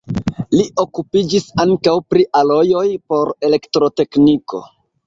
Li okupiĝis ankaŭ pri alojoj por elektrotekniko.